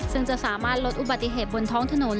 ซึ่งจะสามารถลดอุบัติเหตุบนท้องถนน